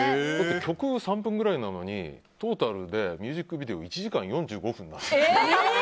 曲３分くらいなのにトータルでミュージックビデオは１時間４５分なんですよ。